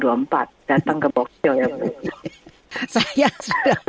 datang ke bokshow ya bu